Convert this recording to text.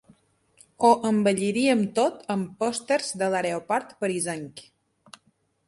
Ho embelliríem tot amb pòsters de l'aeroport parisenc.